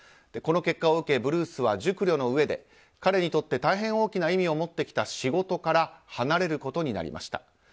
この結果を受けブルースは熟慮の上で彼にとって大変大きな意味を持ってきた仕事から離れることになりました。